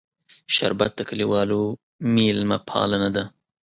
شربت د کلیوالو میلمهپالنه ده